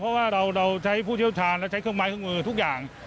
เพราะว่าเราใช้ผู้เชี่ยวชาญและใช้เครื่องไม้เครื่องมือทุกอย่าง